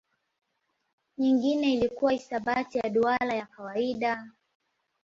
Nyingine ilikuwa hisabati ya duara ya kawaida.